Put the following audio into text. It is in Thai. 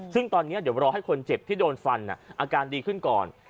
ซึ่งตอนนี้เดี๋ยวรอให้คนเจ็บที่โดนฟันอาการดีขึ้นก่อน